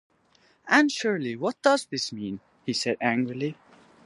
“Anne Shirley, what does this mean?” he said angrily.